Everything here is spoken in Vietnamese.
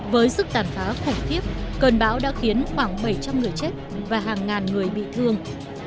với sức tàn phá khủng khiếp cơn bão đã khiến khoảng bảy trăm linh người chết và hàng ngàn người bị thương